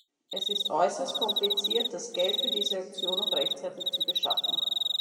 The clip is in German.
Es ist äußerst kompliziert, das Geld für diese Aktion noch rechtzeitig zu beschaffen.